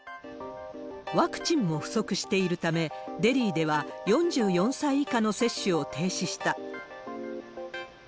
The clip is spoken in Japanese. ワクチンも不足しているため、デリーでは４４歳以下の接種を停止した。